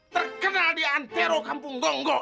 terkenal di antero kampung donggok